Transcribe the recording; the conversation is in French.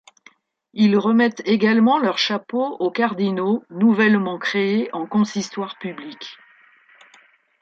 Ils remettent également leur chapeau aux cardinaux nouvellement créés en consistoire public.